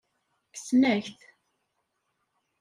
Kksen-ak-t.